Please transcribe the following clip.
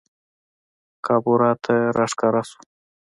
کابورا ته راښکاره سوو